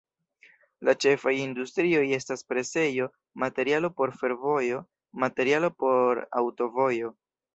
La ĉefaj industrioj estas presejo, materialo por fervojo, materialo por aŭtovojo.